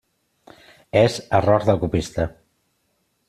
És error de copista.